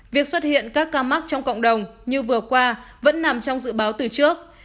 việc xuất hiện các ca mắc trong cộng đồng như vừa qua vẫn nằm trong dự báo từ trước